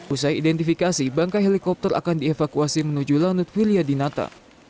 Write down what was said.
usai identifikasi bangkai helikopter akan dievakuasi menuju lanut willia dinata